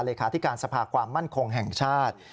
เลขาธิการสภาความมั่นคงแห่งชาติ